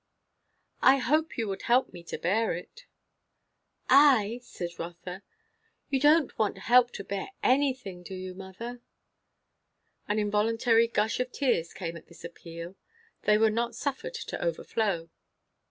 "I hope you would help me to bear it." "I!" said Rotha. "You don't want help to bear anything; do you, mother?" An involuntary gush of tears came at this appeal; they were not suffered to overflow.